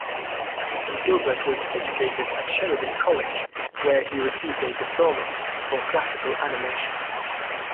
Gilbert was educated at Sheridan College where he received a diploma for Classical Animation.